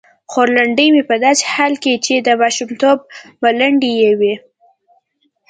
خورلنډې مې په داسې حال کې چې د ماشومتوب ملنډې یې وې.